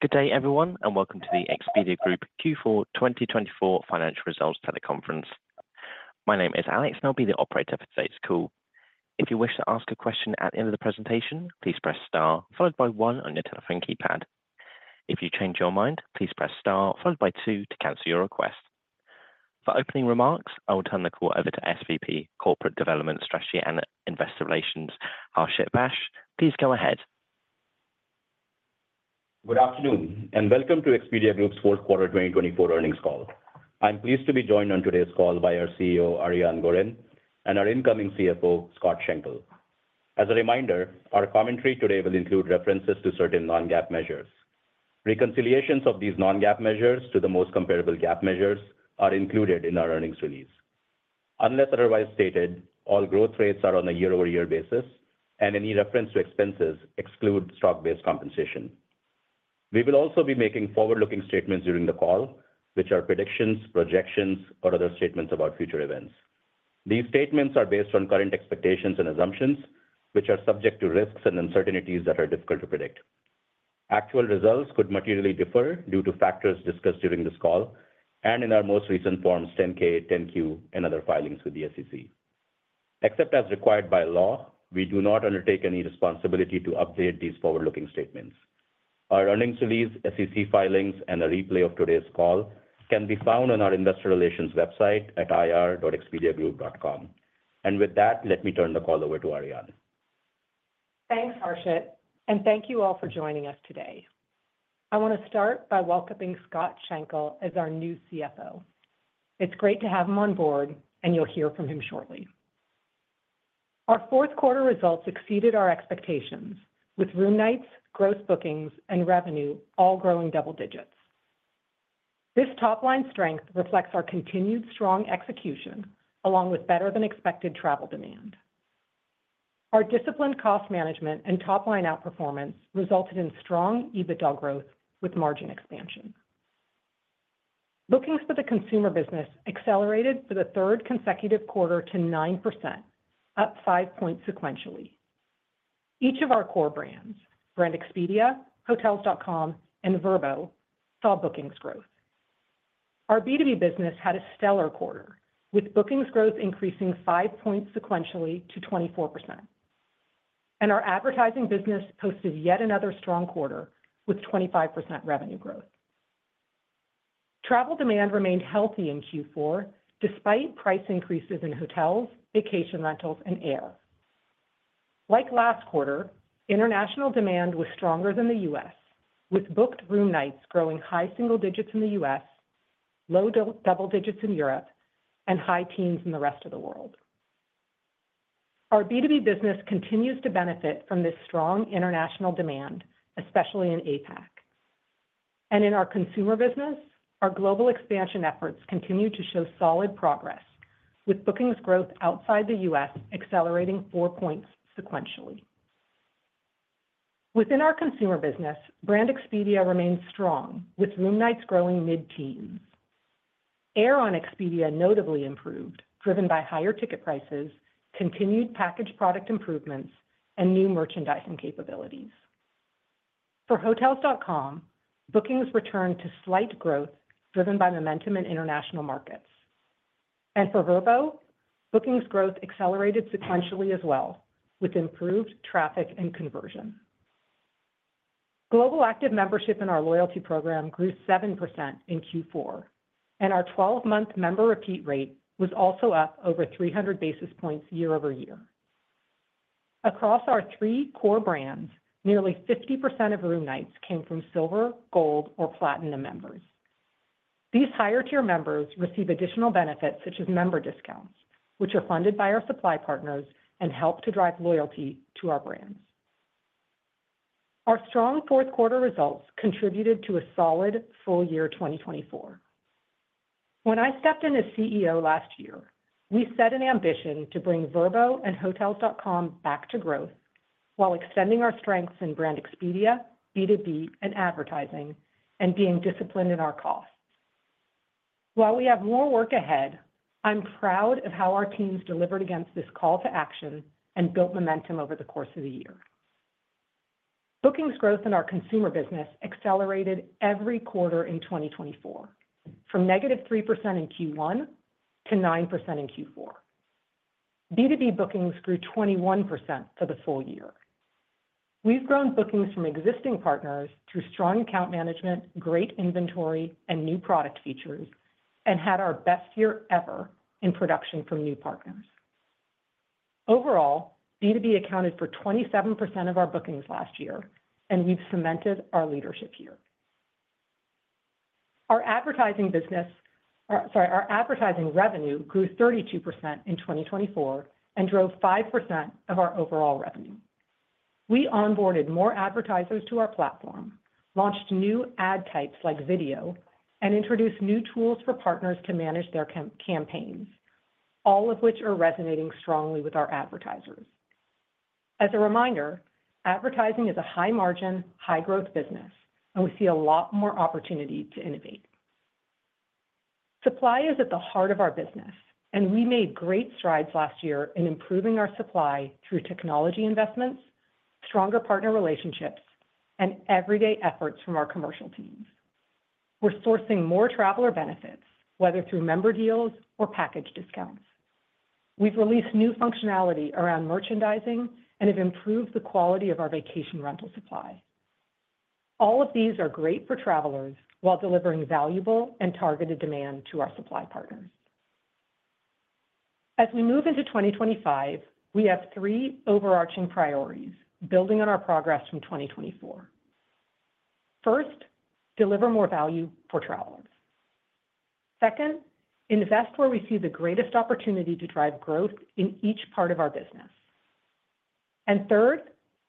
Good day, everyone, and welcome to the Expedia Group Q4 2024 Financial Results teleconference. My name is Alex, and I'll be the operator for today's call. If you wish to ask a question at the end of the presentation, please press star followed by one on your telephone keypad. If you change your mind, please press star followed by two to cancel your request. For opening remarks, I will turn the call over to SVP, Corporate Development, Strategy and Investor Relations, Harshit Vaish. Please go ahead. Good afternoon and welcome to Expedia Group's fourth quarter 2024 earnings call. I'm pleased to be joined on today's call by our CEO, Ariane Gorin, and our incoming CFO, Scott Schenkel. As a reminder, our commentary today will include references to certain non-GAAP measures. Reconciliations of these non-GAAP measures to the most comparable GAAP measures are included in our earnings release. Unless otherwise stated, all growth rates are on a year-over-year basis, and any reference to expenses excludes stock-based compensation. We will also be making forward-looking statements during the call, which are predictions, projections, or other statements about future events. These statements are based on current expectations and assumptions, which are subject to risks and uncertainties that are difficult to predict. Actual results could materially differ due to factors discussed during this call and in our most recent Forms 10-K, 10-Q, and other filings with the SEC. Except as required by law, we do not undertake any responsibility to update these forward-looking statements. Our earnings release, SEC filings, and a replay of today's call can be found on our investor relations website at ir.expediagroup.com, and with that, let me turn the call over to Ariane. Thanks, Harshit, and thank you all for joining us today. I want to start by welcoming Scott Schenkel as our new CFO. It's great to have him on board, and you'll hear from him shortly. Our fourth quarter results exceeded our expectations, with room nights, gross bookings, and revenue all growing double digits. This top-line strength reflects our continued strong execution, along with better-than-expected travel demand. Our disciplined cost management and top-line outperformance resulted in strong EBITDA growth with margin expansion. Bookings for the consumer business accelerated for the third consecutive quarter to 9%, up five points sequentially. Each of our core brands, Brand Expedia, Hotels.com, and Vrbo, saw bookings growth. Our B2B business had a stellar quarter, with bookings growth increasing five points sequentially to 24%. Our advertising business posted yet another strong quarter, with 25% revenue growth. Travel demand remained healthy in Q4, despite price increases in hotels, vacation rentals, and air. Like last quarter, international demand was stronger than the U.S., with booked room nights growing high single digits in the U.S., low double digits in Europe, and high teens in the rest of the world. Our B2B business continues to benefit from this strong international demand, especially in APAC, and in our consumer business, our global expansion efforts continue to show solid progress, with bookings growth outside the U.S. accelerating four points sequentially. Within our consumer business, Brand Expedia remains strong, with room nights growing mid-teens. Air on Expedia notably improved, driven by higher ticket prices, continued package product improvements, and new merchandising capabilities. For Hotels.com, bookings returned to slight growth, driven by momentum in international markets, and for Vrbo, bookings growth accelerated sequentially as well, with improved traffic and conversion. Global active membership in our loyalty program grew 7% in Q4, and our 12-month member repeat rate was also up over 300 basis points year over year. Across our three core brands, nearly 50% of room nights came from Silver, Gold, or Platinum members. These higher-tier members receive additional benefits such as member discounts, which are funded by our supply partners and help to drive loyalty to our brands. Our strong fourth quarter results contributed to a solid full year 2024. When I stepped in as CEO last year, we set an ambition to bring Vrbo and Hotels.com back to growth while extending our strengths in Brand Expedia, B2B, and advertising, and being disciplined in our costs. While we have more work ahead, I'm proud of how our teams delivered against this call to action and built momentum over the course of the year. Bookings growth in our consumer business accelerated every quarter in 2024, from negative 3% in Q1 to 9% in Q4. B2B bookings grew 21% for the full year. We've grown bookings from existing partners through strong account management, great inventory, and new product features, and had our best year ever in production from new partners. Overall, B2B accounted for 27% of our bookings last year, and we've cemented our leadership here. Our advertising business, or sorry, our advertising revenue grew 32% in 2024 and drove 5% of our overall revenue. We onboarded more advertisers to our platform, launched new ad types like video, and introduced new tools for partners to manage their campaigns, all of which are resonating strongly with our advertisers. As a reminder, advertising is a high-margin, high-growth business, and we see a lot more opportunity to innovate. Supply is at the heart of our business, and we made great strides last year in improving our supply through technology investments, stronger partner relationships, and everyday efforts from our commercial teams. We're sourcing more traveler benefits, whether through member deals or package discounts. We've released new functionality around merchandising and have improved the quality of our vacation rental supply. All of these are great for travelers while delivering valuable and targeted demand to our supply partners. As we move into 2025, we have three overarching priorities building on our progress from 2024. First, deliver more value for travelers. Second, invest where we see the greatest opportunity to drive growth in each part of our business. And third,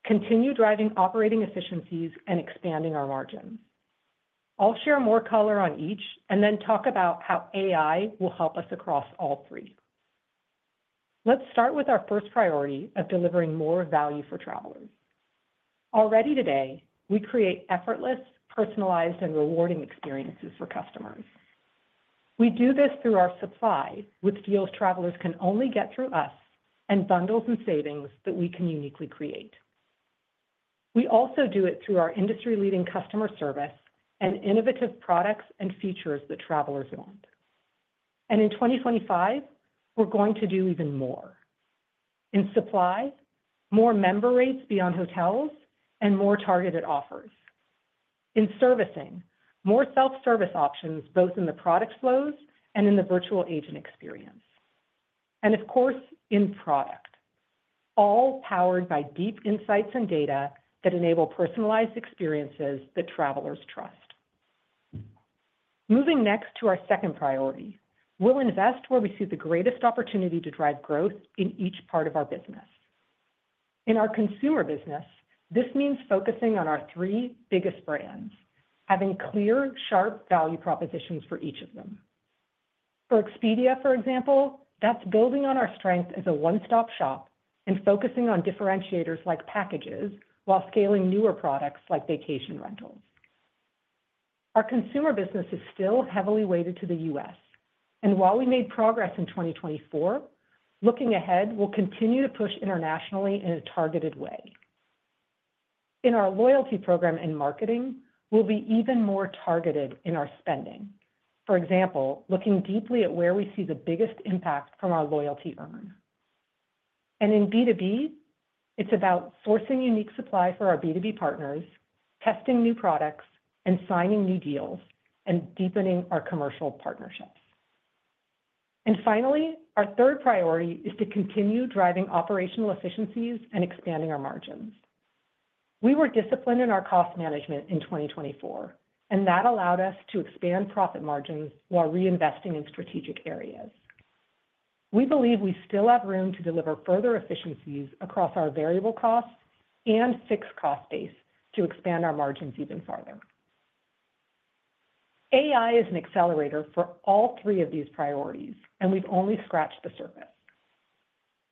continue driving operating efficiencies and expanding our margins. I'll share more color on each and then talk about how AI will help us across all three. Let's start with our first priority of delivering more value for travelers. Already today, we create effortless, personalized, and rewarding experiences for customers. We do this through our supply, which deals travelers can only get through us, and bundles and savings that we can uniquely create. We also do it through our industry-leading customer service and innovative products and features that travelers want. And in 2025, we're going to do even more. In supply, more member rates beyond hotels and more targeted offers. In servicing, more self-service options both in the product flows and in the virtual agent experience. And of course, in product, all powered by deep insights and data that enable personalized experiences that travelers trust. Moving next to our second priority, we'll invest where we see the greatest opportunity to drive growth in each part of our business. In our consumer business, this means focusing on our three biggest brands, having clear, sharp value propositions for each of them. For Expedia, for example, that's building on our strength as a one-stop shop and focusing on differentiators like packages while scaling newer products like vacation rentals. Our consumer business is still heavily weighted to the U.S., and while we made progress in 2024, looking ahead, we'll continue to push internationally in a targeted way. In our loyalty program and marketing, we'll be even more targeted in our spending, for example, looking deeply at where we see the biggest impact from our loyalty earned. And in B2B, it's about sourcing unique supply for our B2B partners, testing new products, and signing new deals, and deepening our commercial partnerships. And finally, our third priority is to continue driving operational efficiencies and expanding our margins. We were disciplined in our cost management in 2024, and that allowed us to expand profit margins while reinvesting in strategic areas. We believe we still have room to deliver further efficiencies across our variable costs and fixed cost base to expand our margins even further. AI is an accelerator for all three of these priorities, and we've only scratched the surface.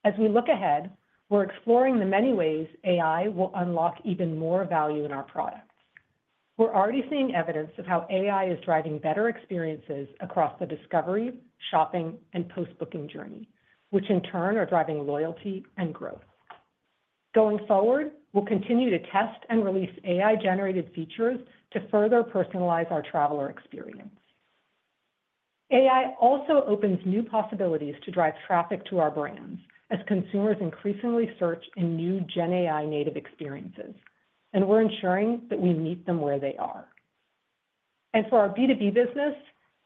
As we look ahead, we're exploring the many ways AI will unlock even more value in our products. We're already seeing evidence of how AI is driving better experiences across the discovery, shopping, and post-booking journey, which in turn are driving loyalty and growth. Going forward, we'll continue to test and release AI-generated features to further personalize our traveler experience. AI also opens new possibilities to drive traffic to our brands as consumers increasingly search in new Gen AI native experiences, and we're ensuring that we meet them where they are. And for our B2B business,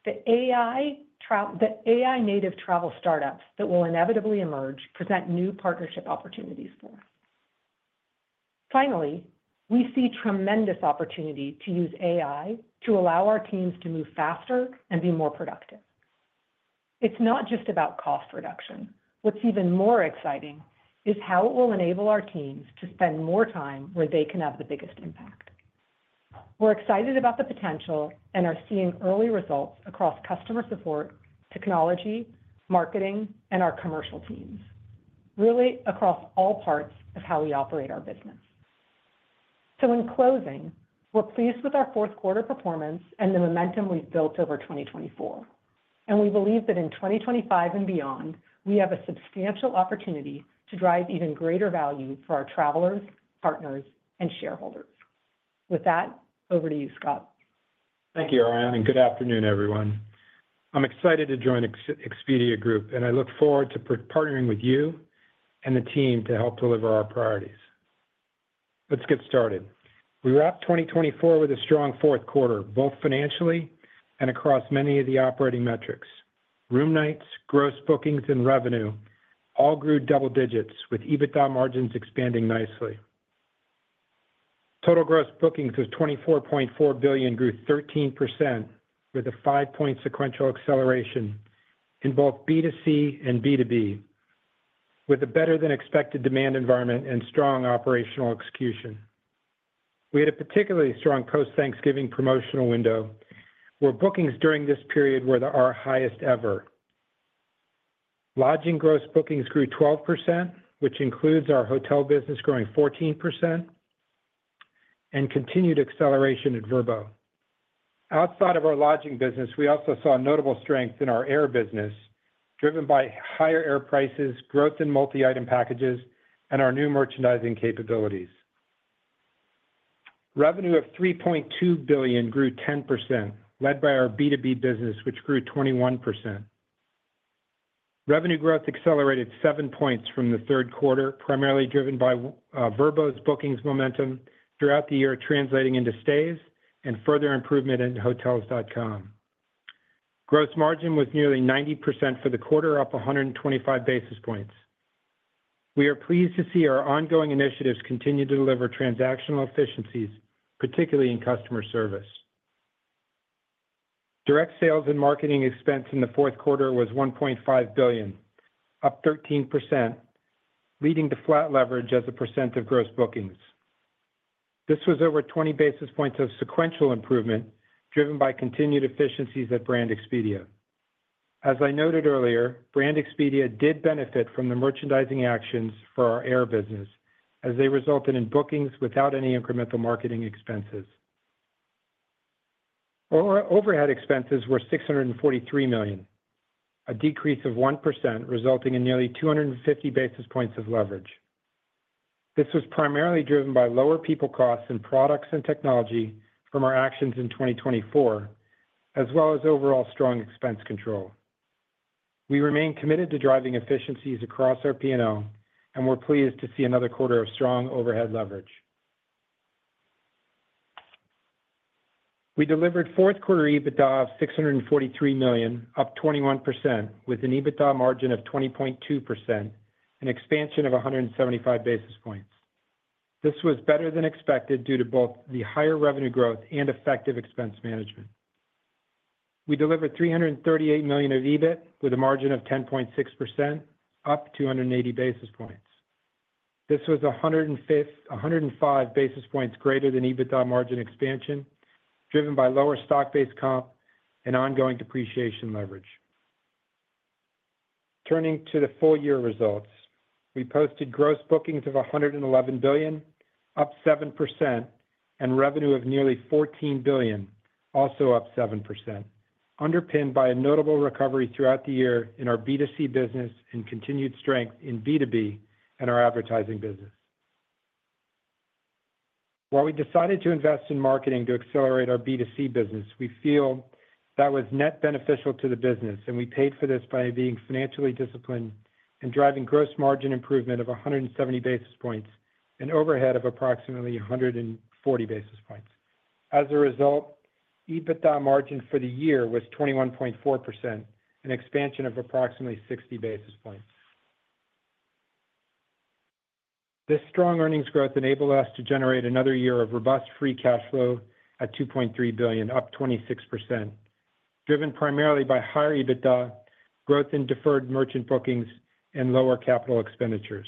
the AI-native travel startups that will inevitably emerge present new partnership opportunities for us. Finally, we see tremendous opportunity to use AI to allow our teams to move faster and be more productive. It's not just about cost reduction. What's even more exciting is how it will enable our teams to spend more time where they can have the biggest impact. We're excited about the potential and are seeing early results across customer support, technology, marketing, and our commercial teams, really across all parts of how we operate our business. So in closing, we're pleased with our fourth quarter performance and the momentum we've built over 2024. We believe that in 2025 and beyond, we have a substantial opportunity to drive even greater value for our travelers, partners, and shareholders. With that, over to you, Scott. Thank you, Ariane, and good afternoon, everyone. I'm excited to join Expedia Group, and I look forward to partnering with you and the team to help deliver our priorities. Let's get started. We wrapped 2024 with a strong fourth quarter, both financially and across many of the operating metrics. Room nights, gross bookings, and revenue all grew double digits, with EBITDA margins expanding nicely. Total gross bookings of $24.4 billion grew 13%, with a five-point sequential acceleration in both B2C and B2B, with a better-than-expected demand environment and strong operational execution. We had a particularly strong post-Thanksgiving promotional window, where bookings during this period were the highest ever. Lodging gross bookings grew 12%, which includes our hotel business growing 14%, and continued acceleration at Vrbo. Outside of our lodging business, we also saw notable strength in our air business, driven by higher air prices, growth in multi-item packages, and our new merchandising capabilities. Revenue of $3.2 billion grew 10%, led by our B2B business, which grew 21%. Revenue growth accelerated seven points from the third quarter, primarily driven by Vrbo's bookings momentum throughout the year, translating into stays and further improvement in Hotels.com. Gross margin was nearly 90% for the quarter, up 125 basis points. We are pleased to see our ongoing initiatives continue to deliver transactional efficiencies, particularly in customer service. Direct sales and marketing expense in the fourth quarter was $1.5 billion, up 13%, leading to flat leverage as a percent of gross bookings. This was over 20 basis points of sequential improvement, driven by continued efficiencies at Brand Expedia. As I noted earlier, Brand Expedia did benefit from the merchandising actions for our air business, as they resulted in bookings without any incremental marketing expenses. Overhead expenses were $643 million, a decrease of 1%, resulting in nearly 250 basis points of leverage. This was primarily driven by lower people costs and products and technology from our actions in 2024, as well as overall strong expense control. We remain committed to driving efficiencies across our P&L, and we're pleased to see another quarter of strong overhead leverage. We delivered fourth quarter EBITDA of $643 million, up 21%, with an EBITDA margin of 20.2%, an expansion of 175 basis points. This was better than expected due to both the higher revenue growth and effective expense management. We delivered $338 million of EBIT with a margin of 10.6%, up 280 basis points. This was 105 basis points greater than EBITDA margin expansion, driven by lower stock-based comp and ongoing depreciation leverage. Turning to the full year results, we posted gross bookings of $111 billion, up 7%, and revenue of nearly $14 billion, also up 7%, underpinned by a notable recovery throughout the year in our B2C business and continued strength in B2B and our advertising business. While we decided to invest in marketing to accelerate our B2C business, we feel that was net beneficial to the business, and we paid for this by being financially disciplined and driving gross margin improvement of 170 basis points and overhead of approximately 140 basis points. As a result, EBITDA margin for the year was 21.4%, an expansion of approximately 60 basis points. This strong earnings growth enabled us to generate another year of robust free cash flow at $2.3 billion, up 26%, driven primarily by higher EBITDA, growth in deferred merchant bookings, and lower capital expenditures.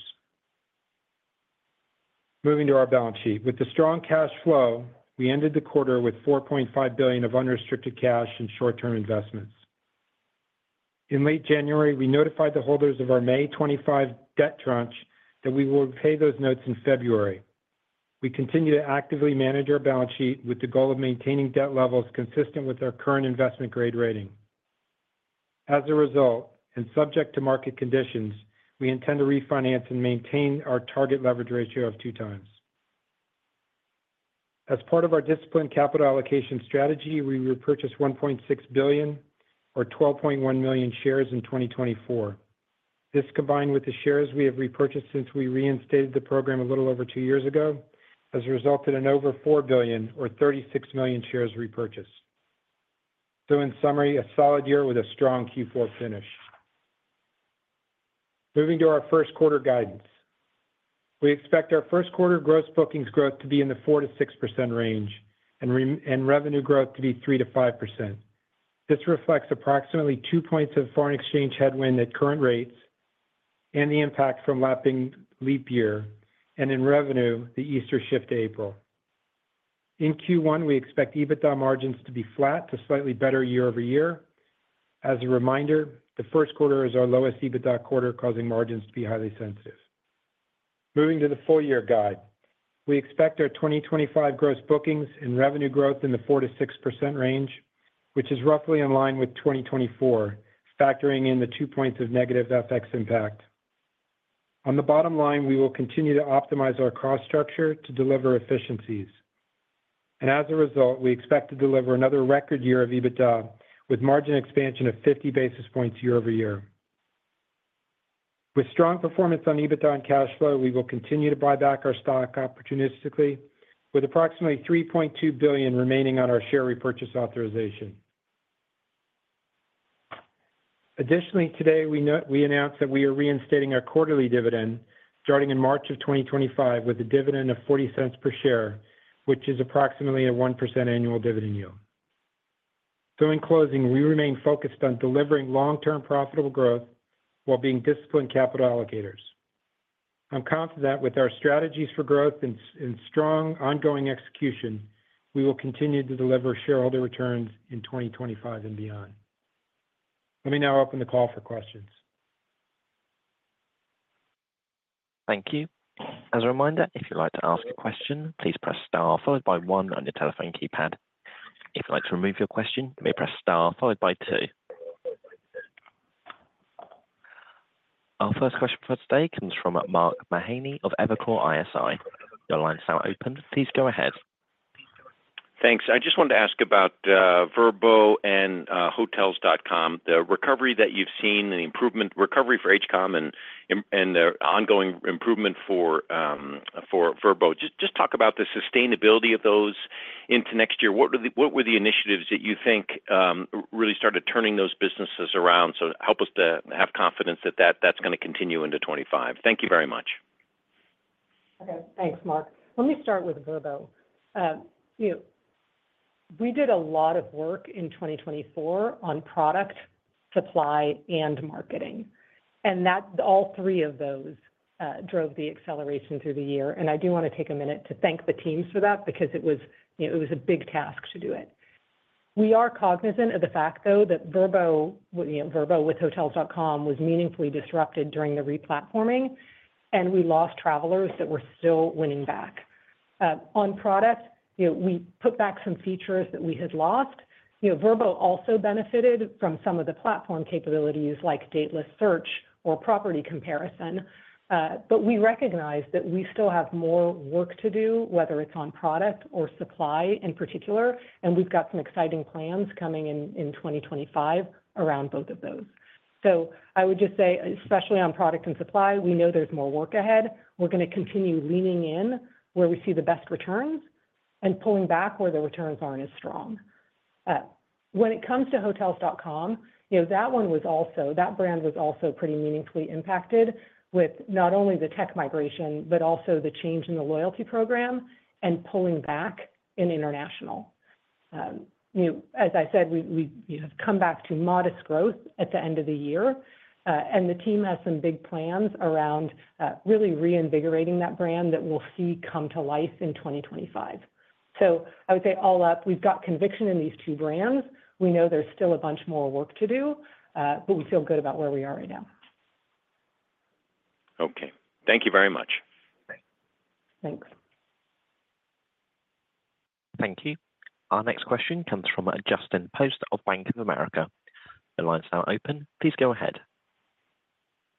Moving to our balance sheet, with the strong cash flow, we ended the quarter with $4.5 billion of unrestricted cash and short-term investments. In late January, we notified the holders of our May 25 debt tranche that we will repay those notes in February. We continue to actively manage our balance sheet with the goal of maintaining debt levels consistent with our current investment-grade rating. As a result, and subject to market conditions, we intend to refinance and maintain our target leverage ratio of two times. As part of our disciplined capital allocation strategy, we repurchased $1.6 billion, or 12.1 million, shares in 2024. This, combined with the shares we have repurchased since we reinstated the program a little over two years ago, has resulted in over $4 billion, or 36 million, shares repurchased. So, in summary, a solid year with a strong Q4 finish. Moving to our first quarter guidance, we expect our first quarter gross bookings growth to be in the 4%-6% range and revenue growth to be 3%-5%. This reflects approximately two points of foreign exchange headwind at current rates and the impact from lapping leap year, and in revenue, the Easter shift to April. In Q1, we expect EBITDA margins to be flat to slightly better year over year. As a reminder, the first quarter is our lowest EBITDA quarter, causing margins to be highly sensitive. Moving to the full year guide, we expect our 2025 gross bookings and revenue growth in the 4%-6% range, which is roughly in line with 2024, factoring in the two points of negative FX impact. On the bottom line, we will continue to optimize our cost structure to deliver efficiencies. And as a result, we expect to deliver another record year of EBITDA with margin expansion of 50 basis points year over year. With strong performance on EBITDA and cash flow, we will continue to buy back our stock opportunistically, with approximately $3.2 billion remaining on our share repurchase authorization. Additionally, today, we announced that we are reinstating our quarterly dividend starting in March of 2025 with a dividend of $0.40 per share, which is approximately a 1% annual dividend yield. So, in closing, we remain focused on delivering long-term profitable growth while being disciplined capital allocators. I'm confident that with our strategies for growth and strong ongoing execution, we will continue to deliver shareholder returns in 2025 and beyond. Let me now open the call for questions. Thank you. As a reminder, if you'd like to ask a question, please press star followed by one on your telephone keypad. If you'd like to remove your question, you may press star followed by two. Our first question for today comes from Mark Mahaney of Evercore ISI. Your line's now open. Please go ahead. Thanks. I just wanted to ask about Vrbo and Hotels.com, the recovery that you've seen, the improvement recovery for HCOM and the ongoing improvement for Vrbo. Just talk about the sustainability of those into next year. What were the initiatives that you think really started turning those businesses around? So, help us to have confidence that that's going to continue into 2025. Thank you very much. Okay. Thanks, Mark. Let me start with Vrbo. We did a lot of work in 2024 on product, supply, and marketing, and all three of those drove the acceleration through the year, and I do want to take a minute to thank the teams for that because it was a big task to do it. We are cognizant of the fact, though, that Vrbo with Hotels.com was meaningfully disrupted during the replatforming, and we lost travelers that were still winning back. On product, we put back some features that we had lost. Vrbo also benefited from some of the platform capabilities like dateless search or property comparison, but we recognize that we still have more work to do, whether it's on product or supply in particular, and we've got some exciting plans coming in 2025 around both of those. I would just say, especially on product and supply, we know there's more work ahead. We're going to continue leaning in where we see the best returns and pulling back where the returns aren't as strong. When it comes to Hotels.com, that brand was also pretty meaningfully impacted with not only the tech migration, but also the change in the loyalty program and pulling back in international. As I said, we have come back to modest growth at the end of the year, and the team has some big plans around really reinvigorating that brand that we'll see come to life in 2025. I would say all up, we've got conviction in these two brands. We know there's still a bunch more work to do, but we feel good about where we are right now. Okay. Thank you very much. Thanks. Thank you. Our next question comes from Justin Post of Bank of America. The line's now open. Please go ahead.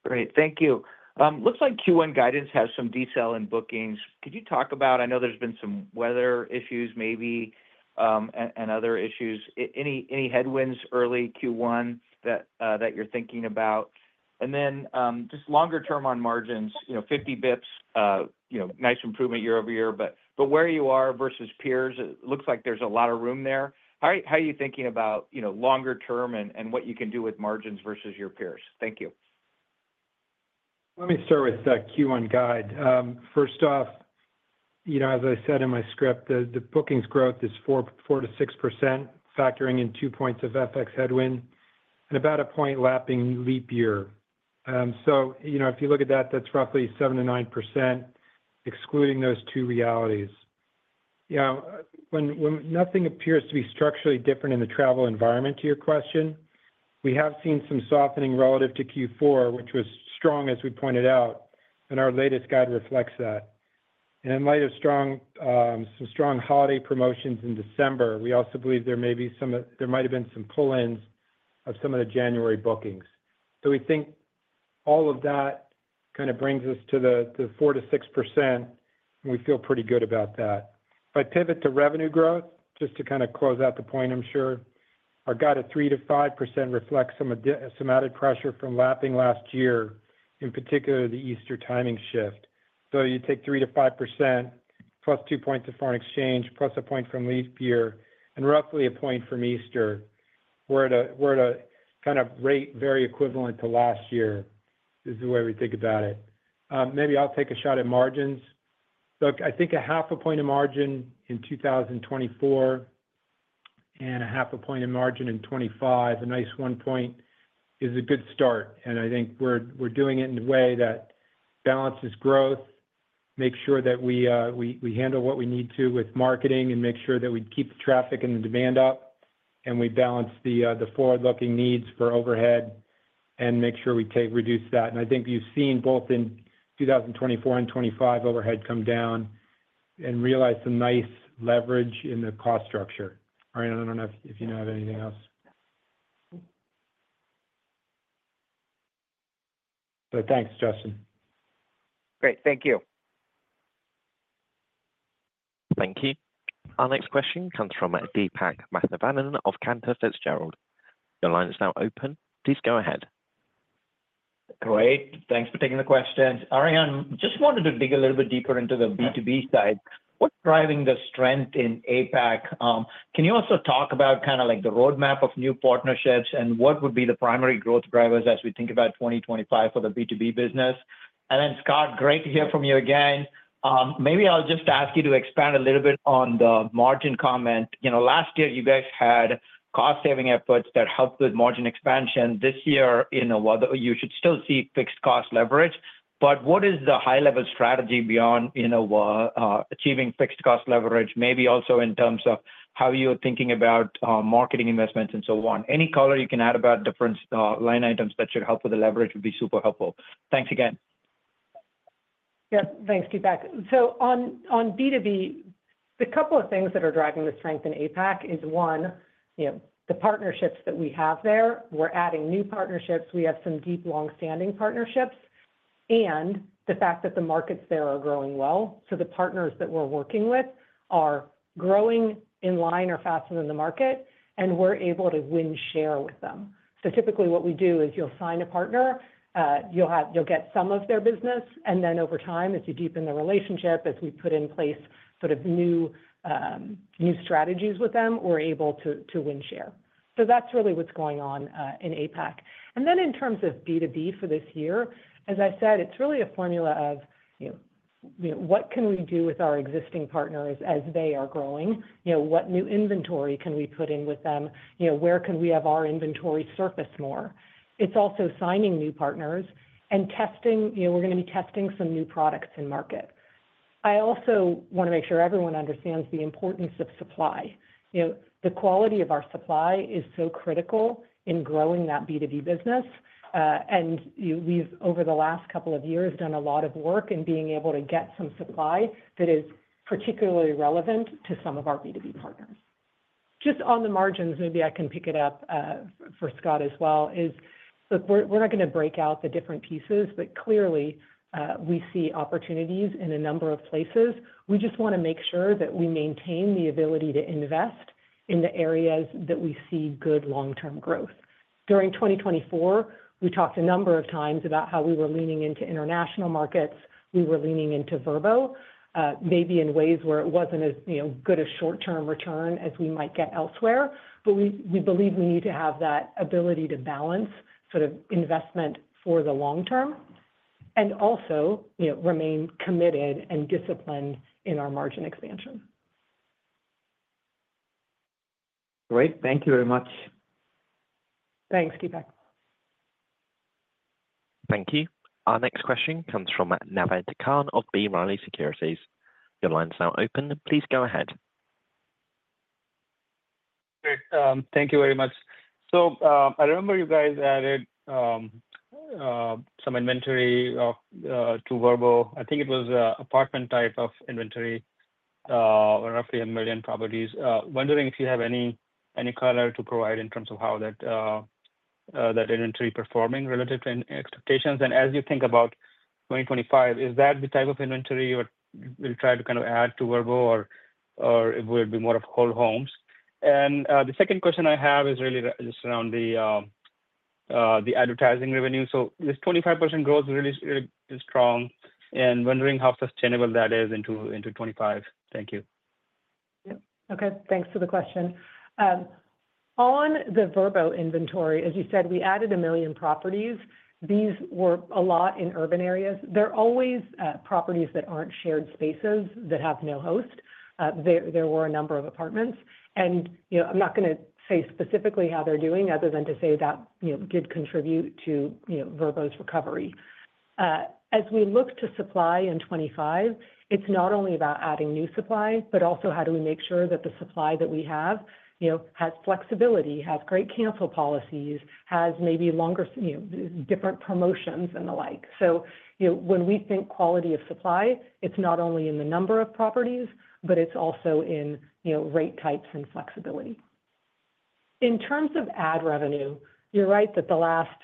Great. Thank you. Looks like Q1 guidance has some decel in bookings. Could you talk about, I know there's been some weather issues maybe and other issues, any headwinds early Q1 that you're thinking about? And then just longer term on margins, 50 basis points, nice improvement year over year, but where you are versus peers, it looks like there's a lot of room there. How are you thinking about longer term and what you can do with margins versus your peers? Thank you. Let me start with the Q1 guide. First off, as I said in my script, the bookings growth is 4%-6%, factoring in two points of FX headwind and about a point lapping leap year. So, if you look at that, that's roughly 7%-9%, excluding those two realities. Nothing appears to be structurally different in the travel environment, to your question. We have seen some softening relative to Q4, which was strong, as we pointed out, and our latest guide reflects that. And in light of some strong holiday promotions in December, we also believe there might have been some pull-ins of some of the January bookings. So, we think all of that kind of brings us to the 4%-6%, and we feel pretty good about that. If I pivot to revenue growth, just to kind of close out the point, I'm sure our guide at 3%-5% reflects some added pressure from lapping last year, in particular the Easter timing shift. So, you take 3%-5% plus two points of foreign exchange plus a point from leap year and roughly a point from Easter, where the kind of rate very equivalent to last year is the way we think about it. Maybe I'll take a shot at margins. Look, I think 0.5 point of margin in 2024 and 0.5 point of margin in 2025, a nice one point, is a good start. And I think we're doing it in a way that balances growth, makes sure that we handle what we need to with marketing, and makes sure that we keep the traffic and the demand up, and we balance the forward-looking needs for overhead and make sure we reduce that. And I think you've seen both in 2024 and 2025 overhead come down and realize some nice leverage in the cost structure. All right. I don't know if you have anything else. But thanks, Justin. Great. Thank you. Thank you. Our next question comes from Deepak Mathivanan of Cantor Fitzgerald. The line is now open. Please go ahead. Great. Thanks for taking the question. Ariane, just wanted to dig a little bit deeper into the B2B side. What's driving the strength in APAC? Can you also talk about kind of like the roadmap of new partnerships and what would be the primary growth drivers as we think about 2025 for the B2B business? And then, Scott, great to hear from you again. Maybe I'll just ask you to expand a little bit on the margin comment. Last year, you guys had cost-saving efforts that helped with margin expansion. This year, you should still see fixed cost leverage. But what is the high-level strategy beyond achieving fixed cost leverage, maybe also in terms of how you're thinking about marketing investments and so on? Any color you can add about different line items that should help with the leverage would be super helpful. Thanks again. Yep. Thanks, Deepak. So, on B2B, the couple of things that are driving the strength in APAC is, one, the partnerships that we have there. We're adding new partnerships. We have some deep long-standing partnerships. And the fact that the markets there are growing well. So, the partners that we're working with are growing in line or faster than the market, and we're able to win share with them. So, typically, what we do is you'll sign a partner, you'll get some of their business, and then over time, as you deepen the relationship, as we put in place sort of new strategies with them, we're able to win share. So, that's really what's going on in APAC. And then in terms of B2B for this year, as I said, it's really a formula of what can we do with our existing partners as they are growing? What new inventory can we put in with them? Where can we have our inventory surface more? It's also signing new partners and testing. We're going to be testing some new products in market. I also want to make sure everyone understands the importance of supply. The quality of our supply is so critical in growing that B2B business. And we've, over the last couple of years, done a lot of work in being able to get some supply that is particularly relevant to some of our B2B partners. Just on the margins, maybe I can pick it up for Scott as well, is look, we're not going to break out the different pieces, but clearly, we see opportunities in a number of places. We just want to make sure that we maintain the ability to invest in the areas that we see good long-term growth. During 2024, we talked a number of times about how we were leaning into international markets. We were leaning into Vrbo, maybe in ways where it wasn't as good a short-term return as we might get elsewhere. But we believe we need to have that ability to balance sort of investment for the long term and also remain committed and disciplined in our margin expansion. Great. Thank you very much. Thanks, Deepak. Thank you. Our next question comes from Naved Khan of B. Riley Securities. Your line's now open. Please go ahead. Great. Thank you very much. So, I remember you guys added some inventory to Vrbo. I think it was an apartment type of inventory, roughly a million properties. Wondering if you have any color to provide in terms of how that inventory is performing relative to expectations. And as you think about 2025, is that the type of inventory you will try to kind of add to Vrbo, or will it be more of whole homes? And the second question I have is really just around the advertising revenue. So, this 25% growth is really strong, and wondering how sustainable that is into 2025. Thank you. Yep. Okay. Thanks for the question. On the Vrbo inventory, as you said, we added a million properties. These were a lot in urban areas. They're always properties that aren't shared spaces that have no host. There were a number of apartments. And I'm not going to say specifically how they're doing other than to say that did contribute to Vrbo's recovery. As we look to supply in 2025, it's not only about adding new supply, but also how do we make sure that the supply that we have has flexibility, has great cancel policies, has maybe longer different promotions and the like. So, when we think quality of supply, it's not only in the number of properties, but it's also in rate types and flexibility. In terms of ad revenue, you're right that the last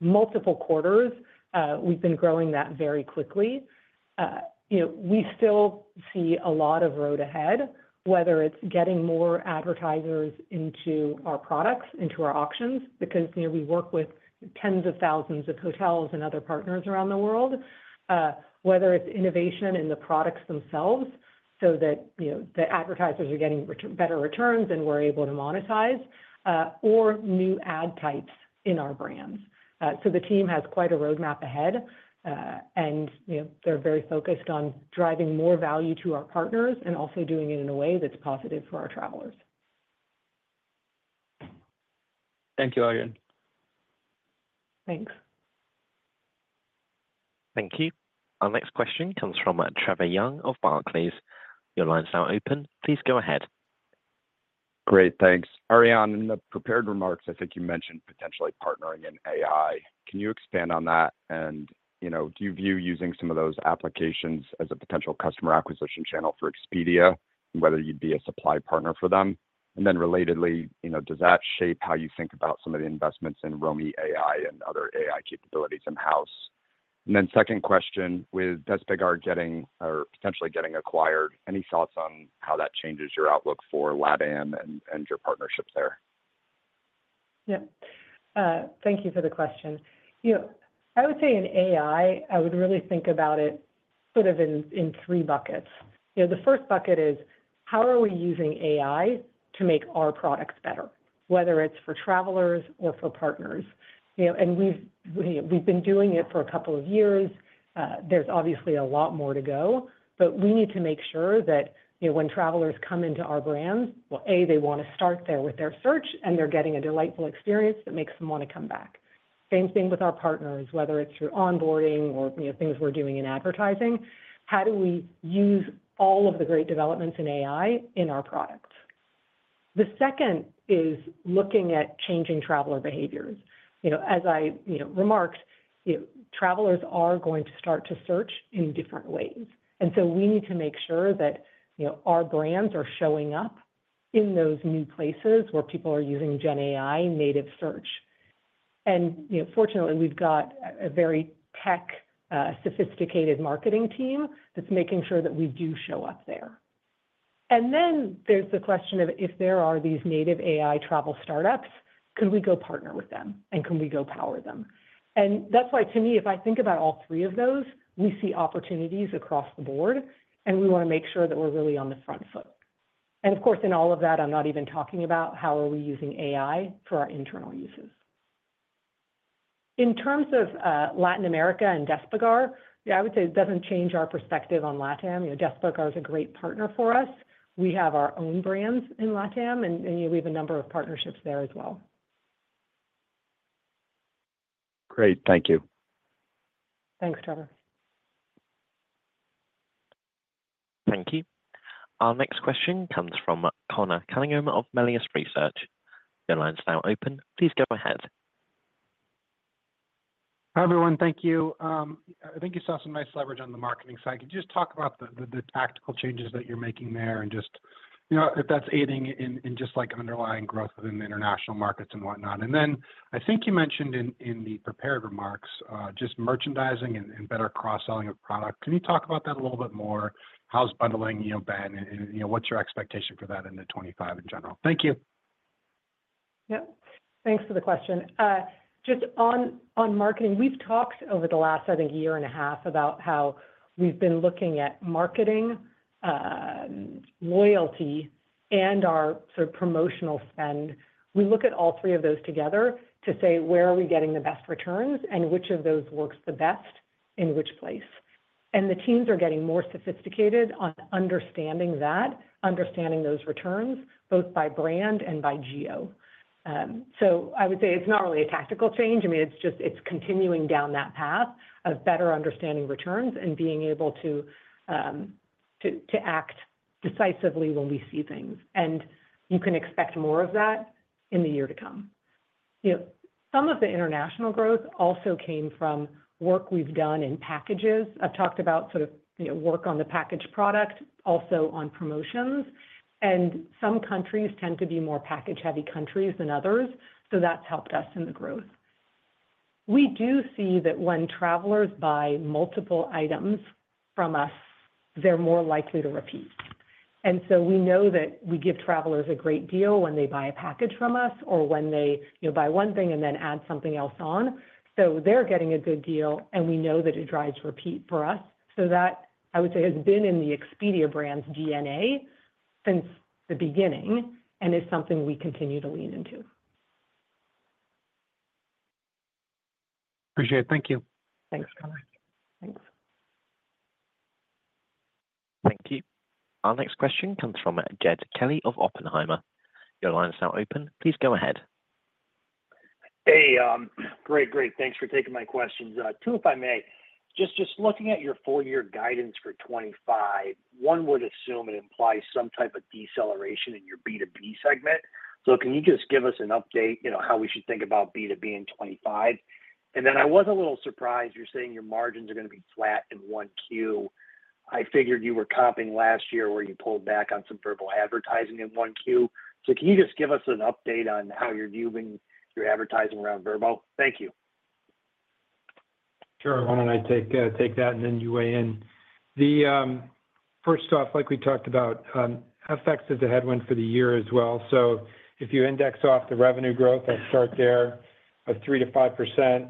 multiple quarters, we've been growing that very quickly. We still see a lot of road ahead, whether it's getting more advertisers into our products, into our auctions, because we work with tens of thousands of hotels and other partners around the world, whether it's innovation in the products themselves so that the advertisers are getting better returns and we're able to monetize, or new ad types in our brands. So, the team has quite a roadmap ahead, and they're very focused on driving more value to our partners and also doing it in a way that's positive for our travelers. Thank you, Ariane. Thanks. Thank you. Our next question comes from Trevor Young of Barclays. Your line's now open. Please go ahead. Great. Thanks. Ariane, in the prepared remarks, I think you mentioned potentially partnering in AI. Can you expand on that? And do you view using some of those applications as a potential customer acquisition channel for Expedia, whether you'd be a supply partner for them? And then relatedly, does that shape how you think about some of the investments in Romie AI and other AI capabilities in-house? And then second question, with Despegar potentially getting acquired, any thoughts on how that changes your outlook for Latin America and your partnership there? Yep. Thank you for the question. I would say in AI, I would really think about it sort of in three buckets. The first bucket is, how are we using AI to make our products better, whether it's for travelers or for partners? And we've been doing it for a couple of years. There's obviously a lot more to go, but we need to make sure that when travelers come into our brands, well, A, they want to start there with their search, and they're getting a delightful experience that makes them want to come back. Same thing with our partners, whether it's through onboarding or things we're doing in advertising. How do we use all of the great developments in AI in our products? The second is looking at changing traveler behaviors. As I remarked, travelers are going to start to search in different ways. And so, we need to make sure that our brands are showing up in those new places where people are using GenAI native search. And fortunately, we've got a very tech-sophisticated marketing team that's making sure that we do show up there. And then there's the question of, if there are these native AI travel startups, can we go partner with them, and can we go power them? And that's why, to me, if I think about all three of those, we see opportunities across the board, and we want to make sure that we're really on the front foot. And of course, in all of that, I'm not even talking about how are we using AI for our internal uses. In terms of Latin America and Despegar, yeah, I would say it doesn't change our perspective on LatAm. Despegar is a great partner for us. We have our own brands in LatAm, and we have a number of partnerships there as well. Great. Thank you. Thanks, Trevor. Thank you. Our next question comes from Conor Cunningham of Melius Research. Your line's now open. Please go ahead. Hi, everyone. Thank you. I think you saw some nice leverage on the marketing side. Could you just talk about the tactical changes that you're making there and just if that's aiding in just underlying growth within the international markets and whatnot? And then I think you mentioned in the prepared remarks just merchandising and better cross-selling of product. Can you talk about that a little bit more? How's bundling been? And what's your expectation for that into 2025 in general? Thank you. Yep. Thanks for the question. Just on marketing, we've talked over the last, I think, year and a half about how we've been looking at marketing, loyalty, and our sort of promotional spend. We look at all three of those together to say, where are we getting the best returns, and which of those works the best in which place? And the teams are getting more sophisticated on understanding that, understanding those returns, both by brand and by geo. So I would say it's not really a tactical change. I mean, it's continuing down that path of better understanding returns and being able to act decisively when we see things. And you can expect more of that in the year to come. Some of the international growth also came from work we've done in packages. I've talked about sort of work on the package product, also on promotions. Some countries tend to be more package-heavy countries than others, so that's helped us in the growth. We do see that when travelers buy multiple items from us, they're more likely to repeat. So we know that we give travelers a great deal when they buy a package from us or when they buy one thing and then add something else on. They're getting a good deal, and we know that it drives repeat for us. That, I would say, has been in the Expedia brand's DNA since the beginning and is something we continue to lean into. Appreciate it. Thank you. Thanks, Connor. Thanks. Thank you. Our next question comes from Jed Kelly of Oppenheimer. Your line's now open. Please go ahead. Hey. Great, great. Thanks for taking my questions. Two, if I may, just looking at your four-year guidance for 2025, one would assume it implies some type of deceleration in your B2B segment. So can you just give us an update how we should think about B2B in 2025? And then I was a little surprised you're saying your margins are going to be flat in Q1. I figured you were copying last year where you pulled back on some Vrbo advertising in Q1. So can you just give us an update on how you're viewing your advertising around Vrbo? Thank you. Sure. Why don't I take that, and then you weigh in? First off, like we talked about, FX is a headwind for the year as well. So if you index off the revenue growth, I'll start there of 3%-5%,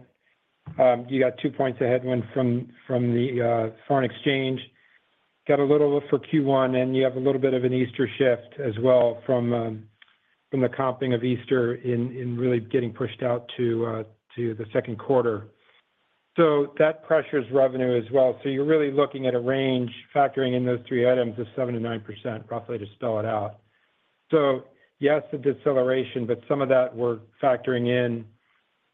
you got two points of headwind from the foreign exchange. Got a little bit for Q1, and you have a little bit of an Easter shift as well from the comping of Easter in really getting pushed out to the second quarter. So that pressures revenue as well. So you're really looking at a range factoring in those three items of 7%-9%, roughly, to spell it out. So yes, the deceleration, but some of that we're factoring in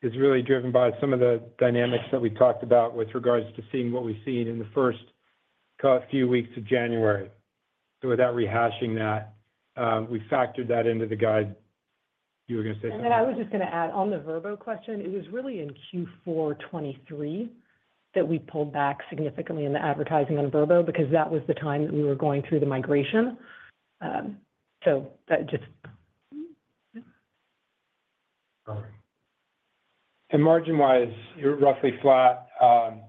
is really driven by some of the dynamics that we talked about with regards to seeing what we see in the first few weeks of January. So without rehashing that, we factored that into the guide. You were going to say something. And then I was just going to add on the Vrbo question. It was really in Q4 2023 that we pulled back significantly in the advertising on Vrbo because that was the time that we were going through the migration. So that just. And margin-wise, you're roughly flat. I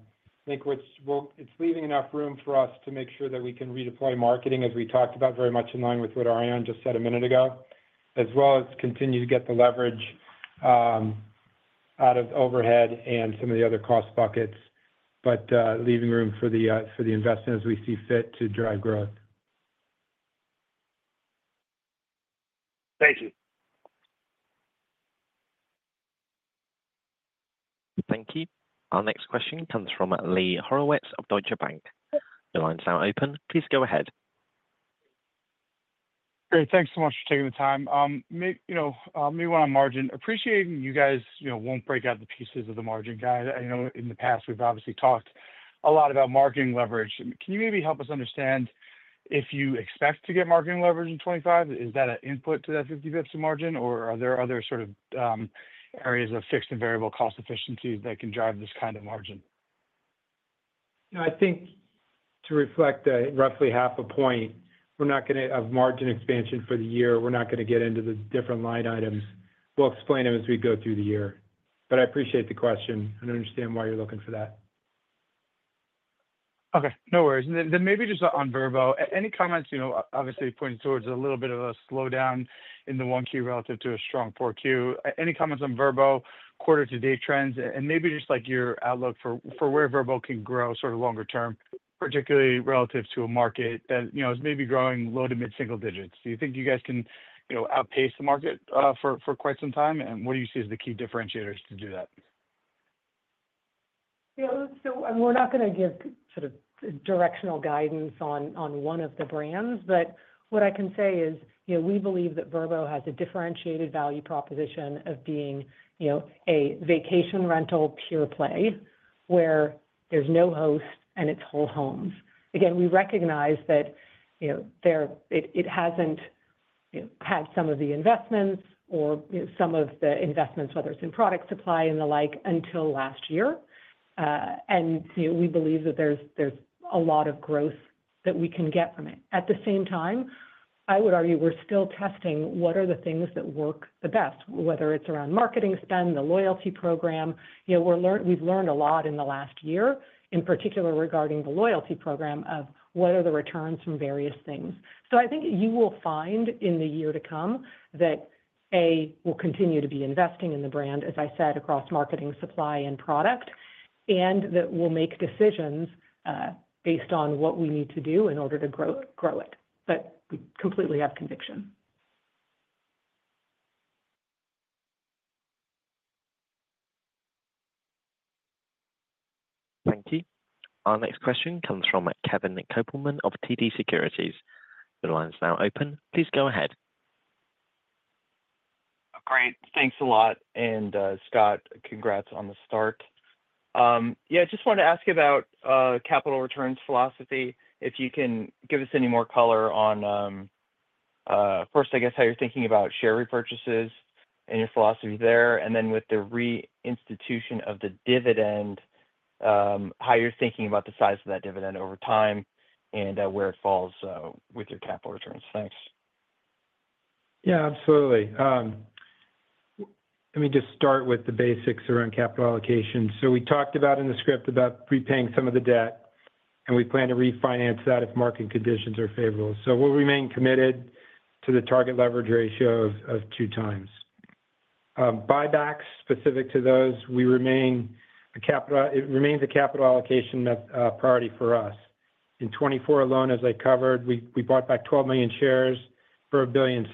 think it's leaving enough room for us to make sure that we can redeploy marketing, as we talked about, very much in line with what Ariane just said a minute ago, as well as continue to get the leverage out of overhead and some of the other cost buckets, but leaving room for the investment as we see fit to drive growth. Thank you. Thank you. Our next question comes from Lee Horowitz of Deutsche Bank. Your line's now open. Please go ahead. Great. Thanks so much for taking the time. Maybe on a margin, appreciating you guys won't break out the pieces of the margin guide. I know in the past, we've obviously talked a lot about marketing leverage. Can you maybe help us understand if you expect to get marketing leverage in 2025? Is that an input to that 50 basis points of margin, or are there other sort of areas of fixed and variable cost efficiencies that can drive this kind of margin? I think to reflect roughly half a point, we're not going to have margin expansion for the year. We're not going to get into the different line items. We'll explain them as we go through the year. But I appreciate the question, and I understand why you're looking for that. Okay. No worries. And then maybe just on Vrbo, any comments? Obviously, pointing towards a little bit of a slowdown in the Q1 relative to a strong Q4. Any comments on Vrbo, quarter-to-date trends, and maybe just your outlook for where Vrbo can grow sort of longer term, particularly relative to a market that is maybe growing low to mid-single digits? Do you think you guys can outpace the market for quite some time, and what do you see as the key differentiators to do that? So we're not going to give sort of directional guidance on one of the brands, but what I can say is we believe that Vrbo has a differentiated value proposition of being a vacation rental pure play where there's no host and it's whole homes. Again, we recognize that it hasn't had some of the investments, whether it's in product supply and the like, until last year. And we believe that there's a lot of growth that we can get from it. At the same time, I would argue we're still testing what are the things that work the best, whether it's around marketing spend, the loyalty program. We've learned a lot in the last year, in particular regarding the loyalty program of what are the returns from various things. So I think you will find in the year to come that, A, we'll continue to be investing in the brand, as I said, across marketing, supply, and product, and that we'll make decisions based on what we need to do in order to grow it. But we completely have conviction. Thank you. Our next question comes from Kevin Kopelman of TD Securities. Your line's now open. Please go ahead. Great. Thanks a lot. And Scott, congrats on the start. Yeah, I just wanted to ask about capital returns philosophy. If you can give us any more color on, first, I guess, how you're thinking about share repurchases and your philosophy there, and then with the reinstitution of the dividend, how you're thinking about the size of that dividend over time and where it falls with your capital returns. Thanks. Yeah, absolutely. Let me just start with the basics around capital allocation. So we talked about in the script about prepaying some of the debt, and we plan to refinance that if market conditions are favorable. So we'll remain committed to the target leverage ratio of two times. Buybacks specific to those, it remains a capital allocation priority for us. In 2024 alone, as I covered, we bought back 12 million shares for $1.6 billion.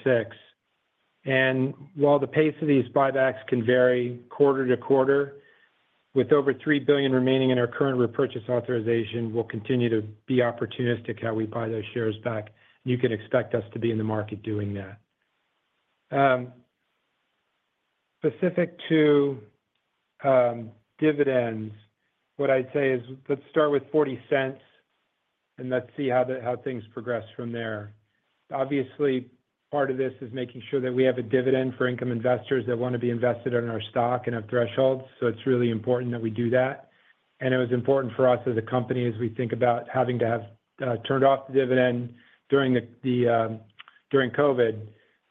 And while the pace of these buybacks can vary quarter to quarter, with over $3 billion remaining in our current repurchase authorization, we'll continue to be opportunistic how we buy those shares back. You can expect us to be in the market doing that. Specific to dividends, what I'd say is let's start with $0.40, and let's see how things progress from there. Obviously, part of this is making sure that we have a dividend for income investors that want to be invested in our stock and have thresholds. So it's really important that we do that. And it was important for us as a company, as we think about having to have turned off the dividend during COVID,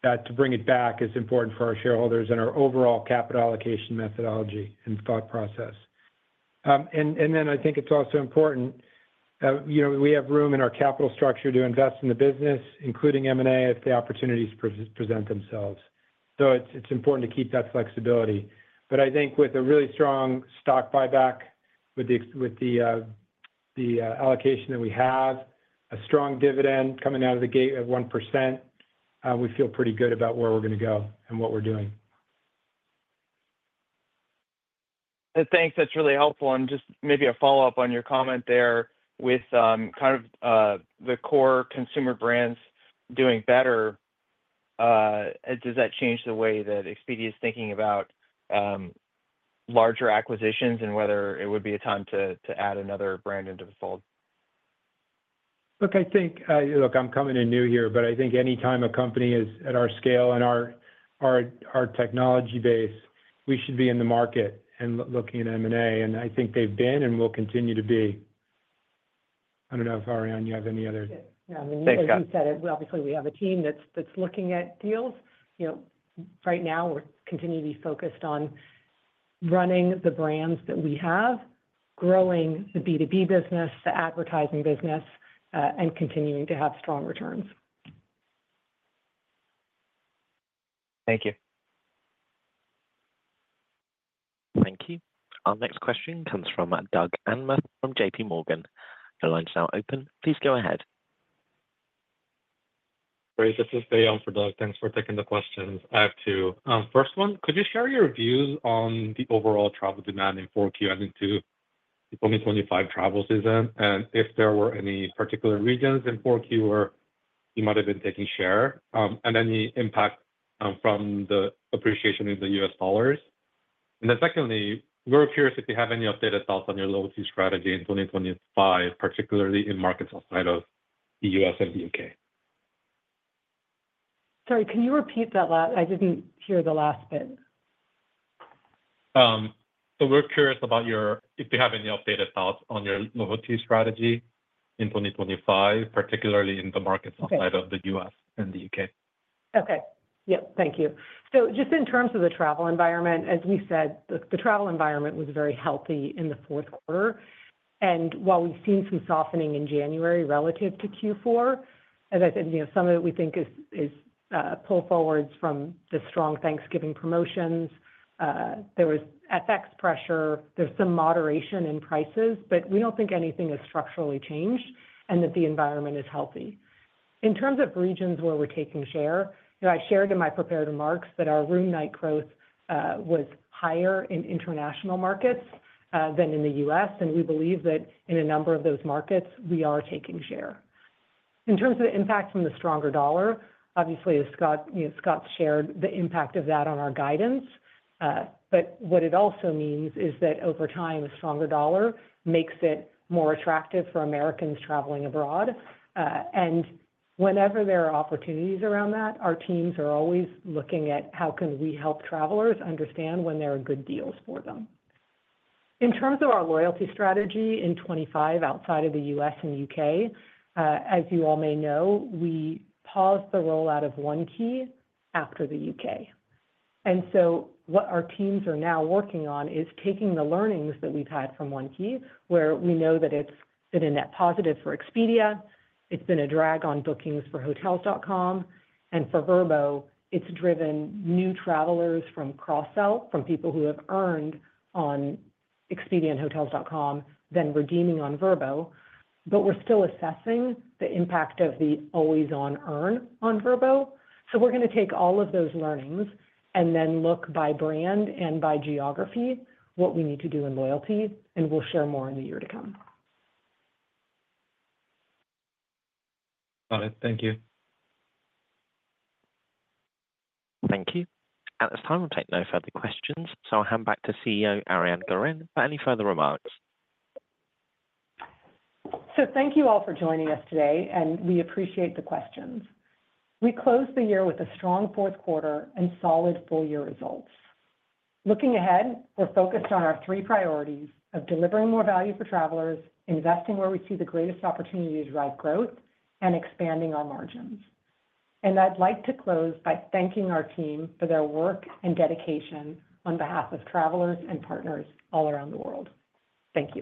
that to bring it back is important for our shareholders and our overall capital allocation methodology and thought process. And then I think it's also important we have room in our capital structure to invest in the business, including M&A, if the opportunities present themselves. So it's important to keep that flexibility. But I think with a really strong stock buyback, with the allocation that we have, a strong dividend coming out of the gate at 1%, we feel pretty good about where we're going to go and what we're doing. Thanks. That's really helpful, and just maybe a follow-up on your comment there with kind of the core consumer brands doing better, does that change the way that Expedia is thinking about larger acquisitions and whether it would be a time to add another brand into the fold? Look, I think I'm coming in new here, but I think anytime a company is at our scale and our technology base, we should be in the market and looking at M&A. And I think they've been and will continue to be. I don't know if Ariane, you have any other. Yeah. I mean, like you said, obviously, we have a team that's looking at deals. Right now, we're continuing to be focused on running the brands that we have, growing the B2B business, the advertising business, and continuing to have strong returns. Thank you. Thank you. Our next question comes from Doug Anmuth from J.P. Morgan. Your line's now open. Please go ahead. Great. This is Deion for Doug. Thanks for taking the questions. I have two. First one, could you share your views on the overall travel demand in Q4 heading into the 2025 travel season and if there were any particular regions in Q4 where you might have been taking share and any impact from the appreciation in the US Dollar? And then secondly, we're curious if you have any updated thoughts on your loyalty strategy in 2025, particularly in markets outside of the U.S. and the U.K. Sorry, can you repeat that last? I didn't hear the last bit. So we're curious about if you have any updated thoughts on your loyalty strategy in 2025, particularly in the markets outside of the U.S. and the U.K. Okay. Yep. Thank you, so just in terms of the travel environment, as we said, the travel environment was very healthy in the fourth quarter, and while we've seen some softening in January relative to Q4, as I said, some of it we think is pull forwards from the strong Thanksgiving promotions. There was FX pressure. There's some moderation in prices, but we don't think anything has structurally changed and that the environment is healthy. In terms of regions where we're taking share, I shared in my prepared remarks that our room night growth was higher in international markets than in the U.S., and we believe that in a number of those markets, we are taking share. In terms of the impact from the stronger dollar, obviously, as Scott shared, the impact of that on our guidance. But what it also means is that over time, a stronger dollar makes it more attractive for Americans traveling abroad. And whenever there are opportunities around that, our teams are always looking at how can we help travelers understand when there are good deals for them. In terms of our loyalty strategy in 2025 outside of the U.S. and U.K., as you all may know, we paused the rollout of One Key after the U.K. And so what our teams are now working on is taking the learnings that we've had from One Key, where we know that it's been a net positive for Expedia. It's been a drag on bookings for Hotels.com. And for Vrbo, it's driven new travelers from cross-sell, from people who have earned on Expedia and Hotels.com, then redeeming on Vrbo. But we're still assessing the impact of the always-on earn on Vrbo. We're going to take all of those learnings and then look by brand and by geography what we need to do in loyalty, and we'll share more in the year to come. Got it. Thank you. Thank you. At this time, we'll take no further questions. So I'll hand back to CEO Ariane Gorin for any further remarks. Thank you all for joining us today, and we appreciate the questions. We closed the year with a strong fourth quarter and solid full-year results. Looking ahead, we're focused on our three priorities of delivering more value for travelers, investing where we see the greatest opportunity to drive growth, and expanding our margins. I'd like to close by thanking our team for their work and dedication on behalf of travelers and partners all around the world. Thank you.